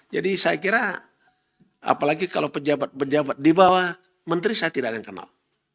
jadi saya kira apalagi kalau pejabat pejabat di bawah menteri saya tidak akan kenal